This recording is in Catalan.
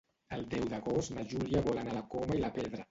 El deu d'agost na Júlia vol anar a la Coma i la Pedra.